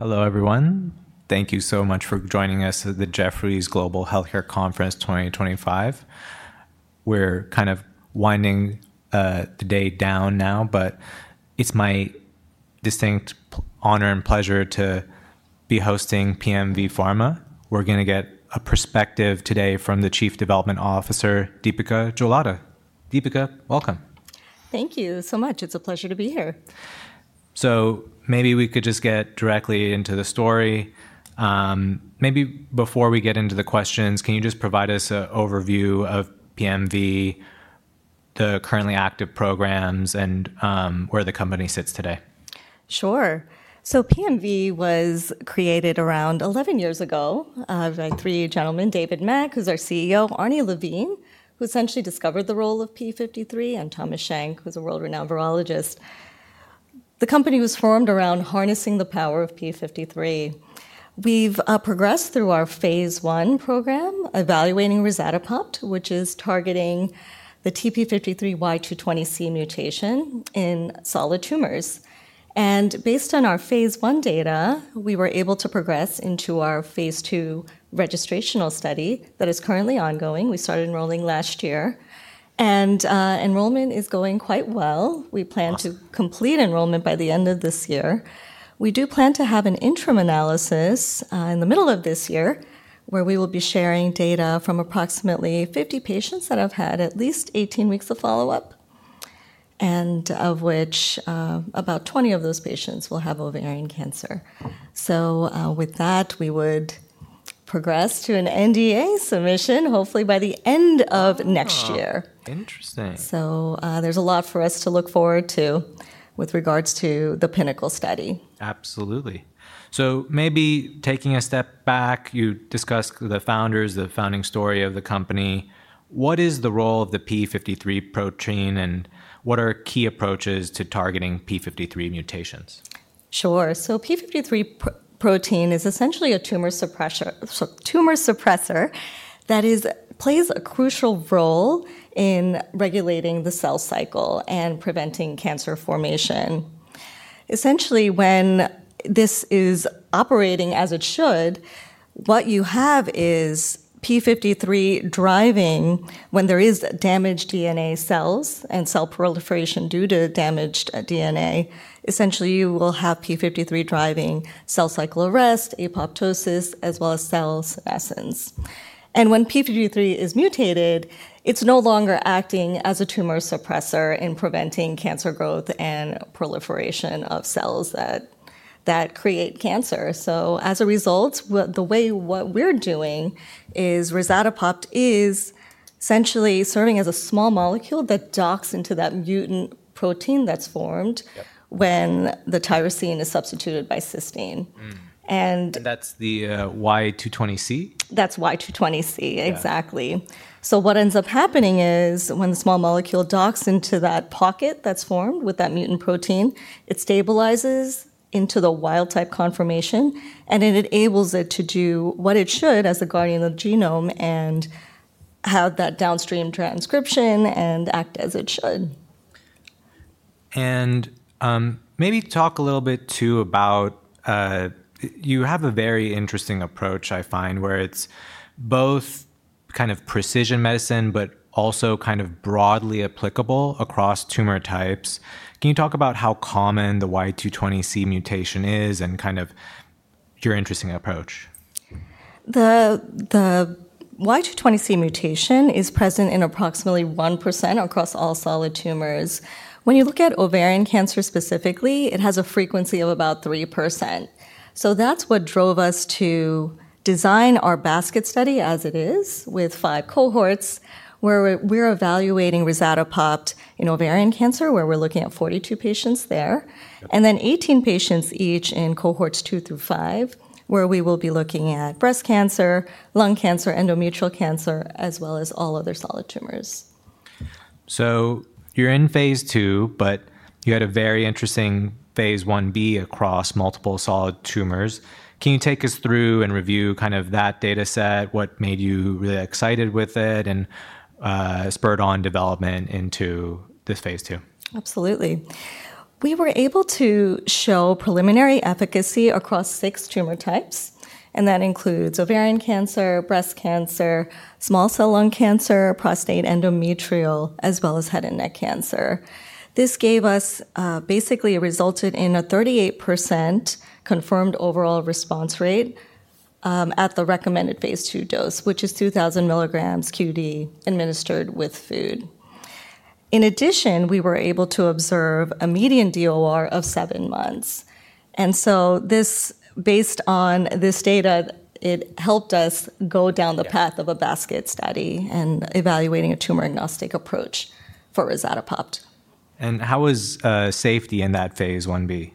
Hello, everyone. Thank you so much for joining us at the Jefferies Global Healthcare Conference 2025. We're kind of winding the day down now, but it's my distinct honor and pleasure to be hosting PMV Pharmaceuticals. We're going to get a perspective today from the Chief Development Officer, Deepika Jalota. Deepika, welcome. Thank you so much. It's a pleasure to be here. Maybe we could just get directly into the story. Maybe before we get into the questions, can you just provide us an overview of PMV, the currently active programs, and where the company sits today? Sure. PMV was created around 11 years ago by three gentlemen: David Mack, who's our CEO; Arnie Levine, who essentially discovered the role of p53; and Thomas Shenk, who's a world-renowned virologist. The company was formed around harnessing the power of p53. We've progressed through our phase I program, evaluating Rezatapopt, which is targeting the TP53 Y220C mutation in solid tumors. Based on our phase I data, we were able to progress into our phase II registrational study that is currently ongoing. We started enrolling last year, and enrollment is going quite well. We plan to complete enrollment by the end of this year. We do plan to have an interim analysis in the middle of this year, where we will be sharing data from approximately 50 patients that have had at least 18 weeks of follow-up, and of which about 20 of those patients will have ovarian cancer. With that, we would progress to an NDA submission, hopefully by the end of next year. Interesting. There's a lot for us to look forward to with regards to the Pinnacle study. Absolutely. Maybe taking a step back, you discussed the founders, the founding story of the company. What is the role of the p53 protein, and what are key approaches to targeting p53 mutations? Sure. P53 protein is essentially a tumor suppressor that plays a crucial role in regulating the cell cycle and preventing cancer formation. Essentially, when this is operating as it should, what you have is P53 driving when there is damaged DNA cells and cell proliferation due to damaged DNA. Essentially, you will have P53 driving cell cycle arrest, apoptosis, as well as cell senescence. When P53 is mutated, it's no longer acting as a tumor suppressor in preventing cancer growth and proliferation of cells that create cancer. As a result, what we're doing is Rezatapopt is essentially serving as a small molecule that docks into that mutant protein that's formed when the tyrosine is substituted by cysteine. That's the Y220C? That's Y220C, exactly. What ends up happening is when the small molecule docks into that pocket that's formed with that mutant protein, it stabilizes into the wild-type conformation, and it enables it to do what it should as a guardian of the genome and have that downstream transcription and act as it should. Maybe talk a little bit too about you have a very interesting approach, I find, where it's both kind of precision medicine, but also kind of broadly applicable across tumor types. Can you talk about how common the Y220C mutation is and kind of your interesting approach? The Y220C mutation is present in approximately 1% across all solid tumors. When you look at ovarian cancer specifically, it has a frequency of about 3%. That is what drove us to design our basket study as it is, with five cohorts, where we are evaluating Rezatapopt in ovarian cancer, where we are looking at 42 patients there, and then 18 patients each in cohorts two through five, where we will be looking at breast cancer, lung cancer, endometrial cancer, as well as all other solid tumors. You're in phase II, but you had a very interesting phase Ib across multiple solid tumors. Can you take us through and review kind of that data set, what made you really excited with it and spurred on development into this phase II? Absolutely. We were able to show preliminary efficacy across six tumor types, and that includes ovarian cancer, breast cancer, small cell lung cancer, prostate, endometrial, as well as head and neck cancer. This gave us, basically resulted in a 38% confirmed overall response rate at the recommended phase II dose, which is 2,000 milligrams q.d. administered with food. In addition, we were able to observe a median DOR of seven months. Based on this data, it helped us go down the path of a basket study and evaluating a tumor-agnostic approach for Rezatapopt. How was safety in that phase Ib?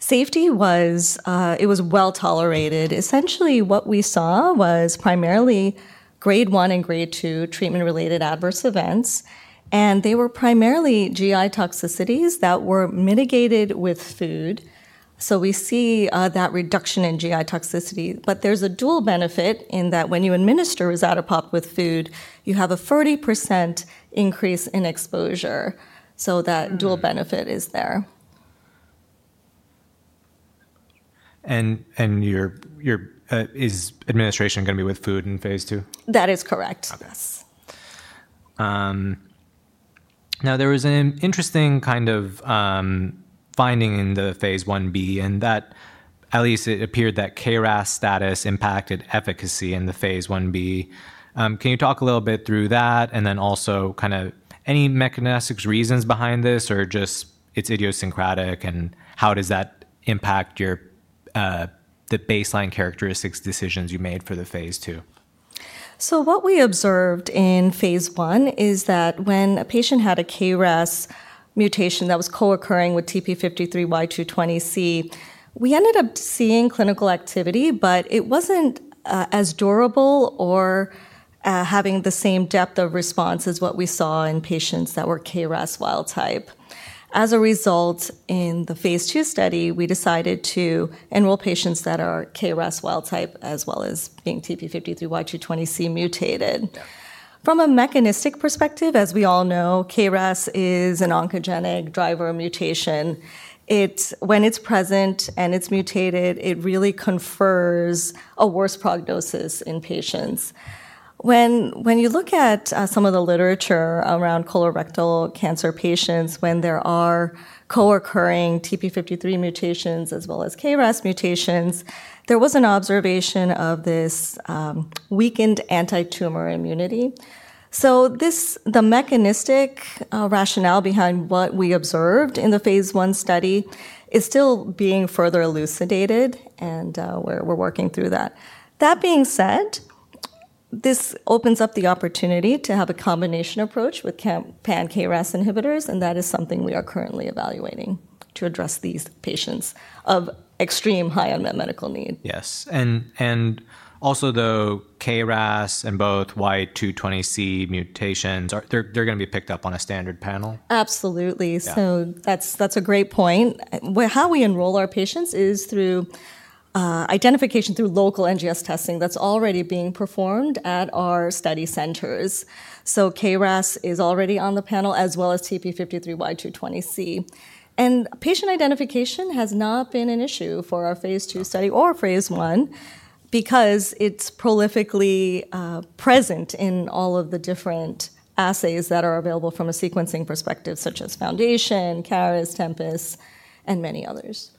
Safety was it was well tolerated. Essentially, what we saw was primarily grade one and grade two treatment-related adverse events, and they were primarily GI toxicities that were mitigated with food. We see that reduction in GI toxicity, but there's a dual benefit in that when you administer Rezatapopt with food, you have a 40% increase in exposure. That dual benefit is there. Is administration going to be with food in phase II? That is correct. Okay. Now, there was an interesting kind of finding in the phase Ib, and that at least it appeared that KRAS status impacted efficacy in the phase Ib. Can you talk a little bit through that, and then also kind of any mechanistic reasons behind this, or just it's idiosyncratic, and how does that impact the baseline characteristics decisions you made for the phase II? What we observed in phase I is that when a patient had a KRAS mutation that was co-occurring with TP53 Y220C, we ended up seeing clinical activity, but it was not as durable or having the same depth of response as what we saw in patients that were KRAS wild type. As a result, in the phase II study, we decided to enroll patients that are KRAS wild type as well as being TP53 Y220C mutated. From a mechanistic perspective, as we all know, KRAS is an oncogenic driver mutation. When it is present and it is mutated, it really confers a worse prognosis in patients. When you look at some of the literature around colorectal cancer patients, when there are co-occurring TP53 mutations as well as KRAS mutations, there was an observation of this weakened anti-tumor immunity. The mechanistic rationale behind what we observed in the phase I study is still being further elucidated, and we're working through that. That being said, this opens up the opportunity to have a combination approach with pan-KRAS inhibitors, and that is something we are currently evaluating to address these patients of extreme high unmet medical need. Yes. And also, though, KRAS and both Y220C mutations. They're going to be picked up on a standard panel? Absolutely. That's a great point. How we enroll our patients is through identification through local NGS testing that's already being performed at our study centers. KRAS is already on the panel, as well as TP53 Y220C. Patient identification has not been an issue for our phase II study or phase I because it's prolifically present in all of the different assays that are available from a sequencing perspective, such as Foundation Medicine, Caris, Tempus, and many others.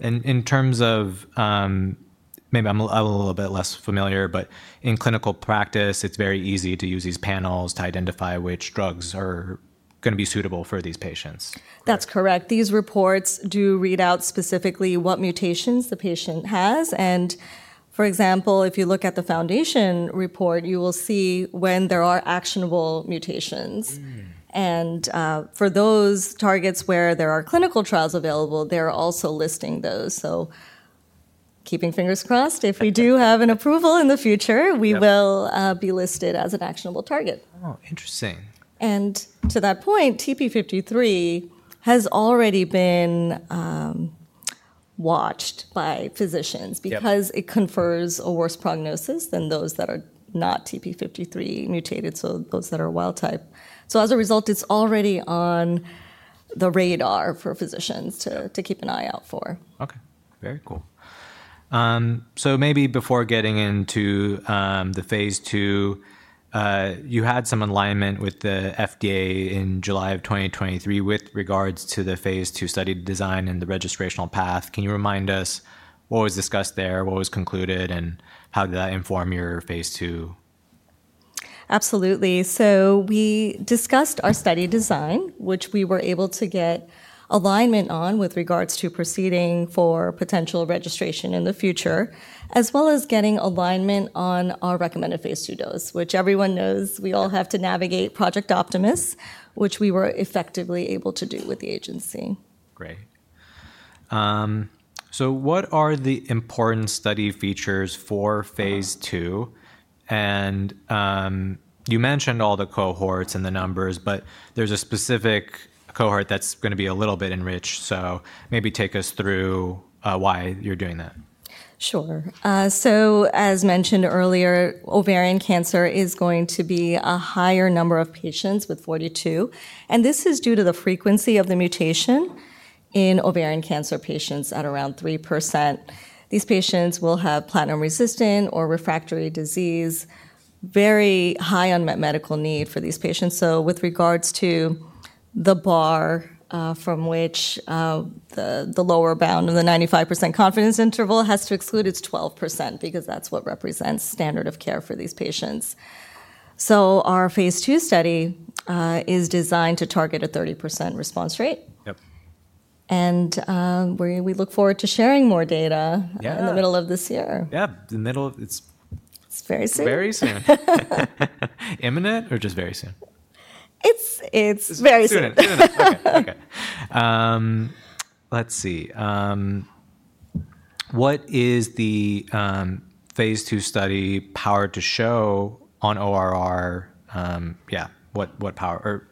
In terms of maybe I'm a little bit less familiar, but in clinical practice, it's very easy to use these panels to identify which drugs are going to be suitable for these patients. That's correct. These reports do read out specifically what mutations the patient has. For example, if you look at the Foundation report, you will see when there are actionable mutations. For those targets where there are clinical trials available, they're also listing those. Keeping fingers crossed, if we do have an approval in the future, we will be listed as an actionable target. Oh, interesting. To that point, TP53 has already been watched by physicians because it confers a worse prognosis than those that are not TP53 mutated, so those that are wild type. As a result, it's already on the radar for physicians to keep an eye out for. Okay. Very cool. Maybe before getting into the phase II, you had some alignment with the FDA in July of 2023 with regards to the phase II study design and the registrational path. Can you remind us what was discussed there, what was concluded, and how did that inform your phase II? Absolutely. We discussed our study design, which we were able to get alignment on with regards to proceeding for potential registration in the future, as well as getting alignment on our recommended phase II dose, which everyone knows we all have to navigate Project Optimus, which we were effectively able to do with the agency. Great. What are the important study features for phase II? You mentioned all the cohorts and the numbers, but there is a specific cohort that is going to be a little bit enriched. Maybe take us through why you are doing that. Sure. As mentioned earlier, ovarian cancer is going to be a higher number of patients with 42. This is due to the frequency of the mutation in ovarian cancer patients at around 3%. These patients will have platinum-resistant or refractory disease, very high unmet medical need for these patients. With regards to the bar from which the lower bound of the 95% confidence interval has to exclude, it's 12% because that represents standard of care for these patients. Our phase II study is designed to target a 30% response rate. We look forward to sharing more data in the middle of this year. Yeah, in the middle of it is. It's very soon. Very soon. Imminent or just very soon? It's very soon. Soon? Okay. Let's see. What is the phase II study power to show on ORR? Yeah, what power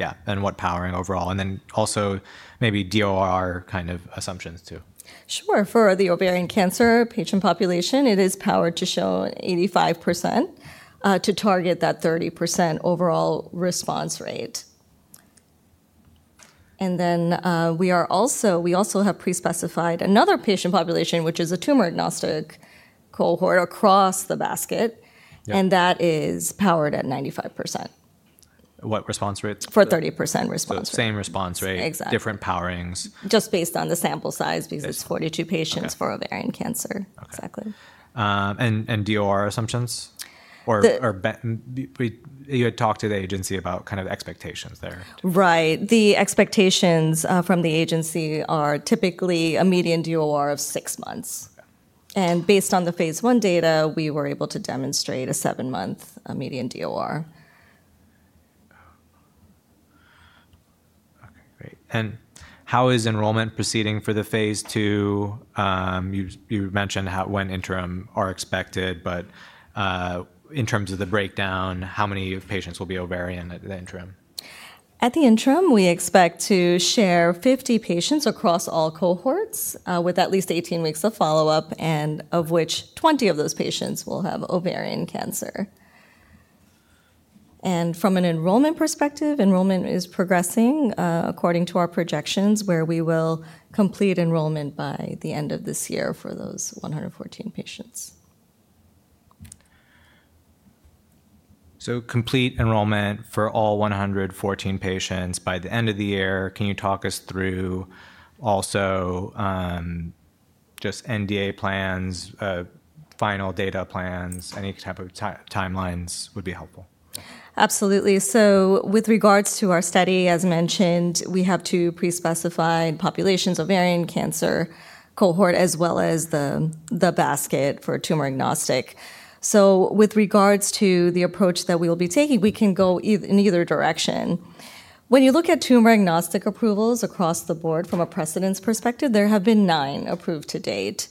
or yeah, and what powering overall? And then also maybe DOR kind of assumptions too. Sure. For the ovarian cancer patient population, it is powered to show 85% to target that 30% overall response rate. We also have pre-specified another patient population, which is a tumor-agnostic cohort across the basket, and that is powered at 95%. What response rate? For 30% response. Same response rate, different powerings. Just based on the sample size because it's 42 patients for ovarian cancer. Exactly. DOR assumptions? You had talked to the agency about kind of expectations there. Right. The expectations from the agency are typically a median DOR of six months. And based on the phase I data, we were able to demonstrate a seven-month median DOR. Okay. Great. How is enrollment proceeding for the phase II? You mentioned when interim are expected, but in terms of the breakdown, how many patients will be ovarian at the interim? At the interim, we expect to share 50 patients across all cohorts with at least 18 weeks of follow-up, of which 20 of those patients will have ovarian cancer. From an enrollment perspective, enrollment is progressing according to our projections, where we will complete enrollment by the end of this year for those 114 patients. Complete enrollment for all 114 patients by the end of the year. Can you talk us through also just NDA plans, final data plans? Any type of timelines would be helpful. Absolutely. With regards to our study, as mentioned, we have two pre-specified populations: ovarian cancer cohort, as well as the basket for tumor-agnostic. With regards to the approach that we will be taking, we can go in either direction. When you look at tumor-agnostic approvals across the board from a precedence perspective, there have been nine approved to date,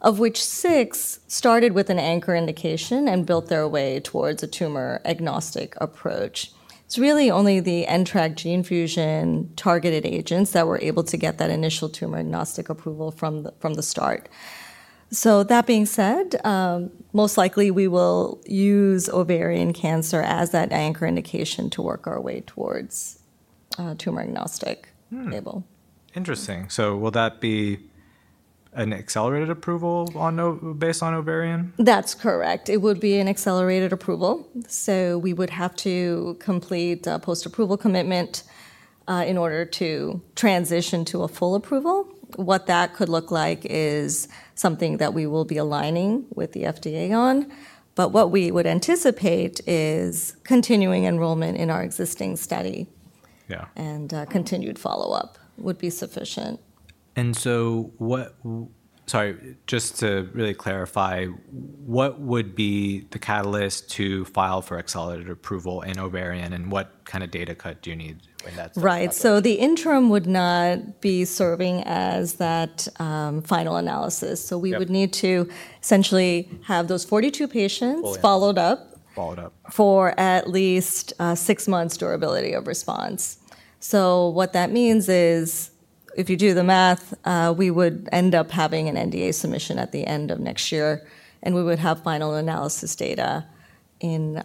of which six started with an anchor indication and built their way towards a tumor-agnostic approach. It's really only the NTRAK gene fusion targeted agents that were able to get that initial tumor-agnostic approval from the start. That being said, most likely we will use ovarian cancer as that anchor indication to work our way towards tumor-agnostic label. Interesting. So will that be an accelerated approval based on ovarian? That's correct. It would be an accelerated approval. We would have to complete a post-approval commitment in order to transition to a full approval. What that could look like is something that we will be aligning with the FDA on. What we would anticipate is continuing enrollment in our existing study. Yeah. Continued follow-up would be sufficient. Sorry, just to really clarify, what would be the catalyst to file for accelerated approval in ovarian, and what kind of data cut do you need when that's? Right. The interim would not be serving as that final analysis. We would need to essentially have those 42 patients followed up for at least six months' durability of response. What that means is, if you do the math, we would end up having an NDA submission at the end of next year, and we would have final analysis data in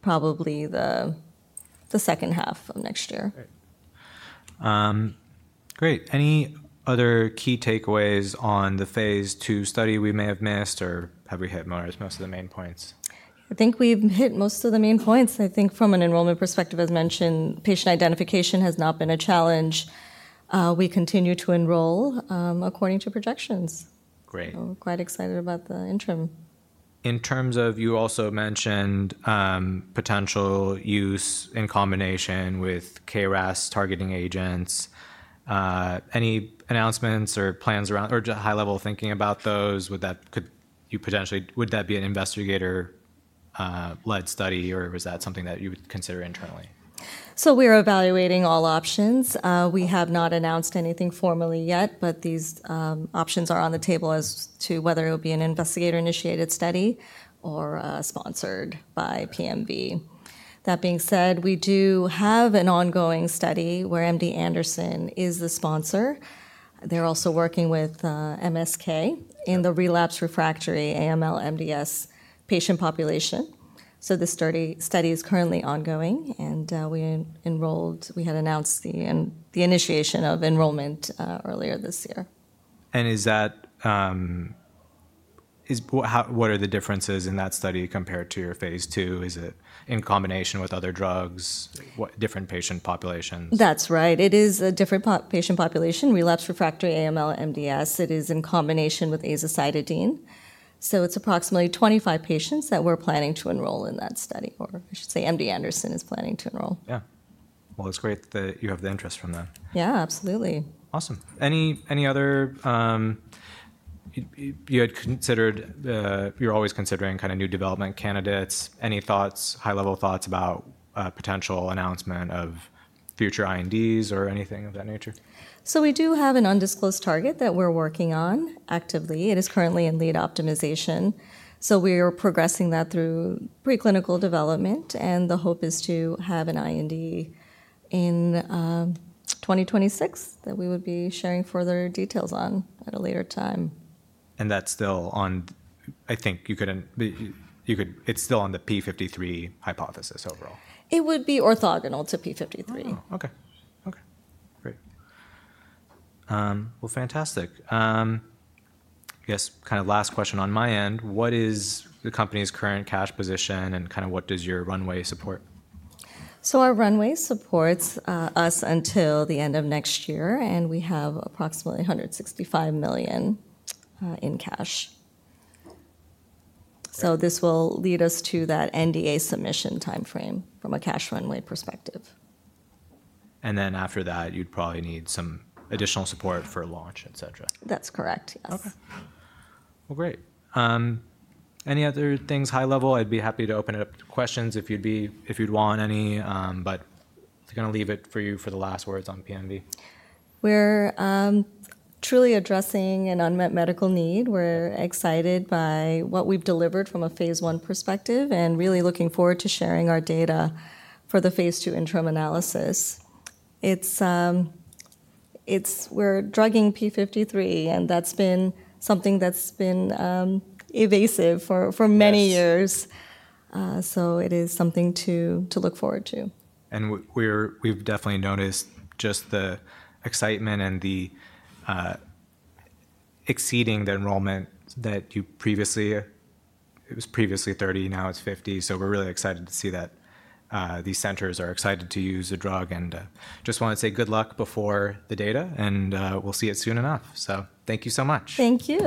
probably the second half of next year. Great. Great. Any other key takeaways on the phase II study we may have missed, or have we hit most of the main points? I think we've hit most of the main points. I think from an enrollment perspective, as mentioned, patient identification has not been a challenge. We continue to enroll according to projections. Great. Quite excited about the interim. In terms of you also mentioned potential use in combination with KRAS targeting agents. Any announcements or plans around or high-level thinking about those? Would that, could you potentially, would that be an investigator-led study, or is that something that you would consider internally? We are evaluating all options. We have not announced anything formally yet, but these options are on the table as to whether it will be an investigator-initiated study or sponsored by PMV. That being said, we do have an ongoing study where MD Anderson is the sponsor. They are also working with MSK in the relapse refractory AML-MDS patient population. This study is currently ongoing, and we had announced the initiation of enrollment earlier this year. What are the differences in that study compared to your phase II? Is it in combination with other drugs, different patient populations? That's right. It is a different patient population, relapse refractory AML-MDS. It is in combination with azacitidine. It is approximately 25 patients that we're planning to enroll in that study, or I should say MD Anderson is planning to enroll. Yeah. It's great that you have the interest from them. Yeah, absolutely. Awesome. Any other you had considered, you're always considering kind of new development candidates. Any thoughts, high-level thoughts about potential announcement of future INDs or anything of that nature? We do have an undisclosed target that we're working on actively. It is currently in lead optimization. We are progressing that through preclinical development, and the hope is to have an IND in 2026 that we would be sharing further details on at a later time. That's still on, I think you could, it's still on the p53 hypothesis overall. It would be orthogonal to p53. Oh, okay. Okay. Great. Fantastic. I guess kind of last question on my end. What is the company's current cash position, and kind of what does your runway support? Our runway supports us until the end of next year, and we have approximately $165 million in cash. This will lead us to that NDA submission timeframe from a cash runway perspective. After that, you'd probably need some additional support for launch, etc. That's correct. Yes. Okay. Great. Any other things high level? I'd be happy to open it up to questions if you'd want any, but I'm going to leave it for you for the last words on PMV. We're truly addressing an unmet medical need. We're excited by what we've delivered from a phase I perspective and really looking forward to sharing our data for the phase II interim analysis. It's we're drugging p53, and that's been something that's been evasive for many years. It is something to look forward to. We've definitely noticed just the excitement and the exceeding the enrollment that you previously, it was previously 30, now it's 50. We're really excited to see that these centers are excited to use a drug. I just want to say good luck before the data, and we'll see it soon enough. Thank you so much. Thank you.